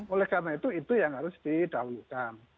oleh karena itu itu yang harus didahulukan